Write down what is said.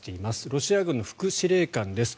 ロシア軍の副司令官です。